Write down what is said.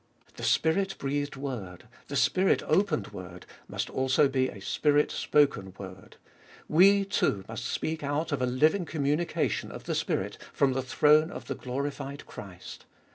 The Spirit breathed word, the Spirit opened word, must also be a Spirit spoken word ; we, too, must speak out of a living communication of the Spirit from the throne of the glorified Christ.